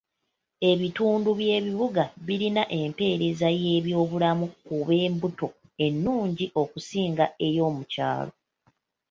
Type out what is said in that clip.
Ebitundu by'ebibuga birina empeereza y'ebyobulamu ku b'embuto ennungi okusinga ey'omukyalo.